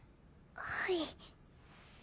はい。